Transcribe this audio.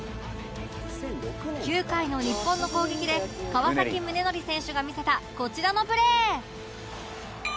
９回の日本の攻撃で川宗則選手が見せたこちらのプレー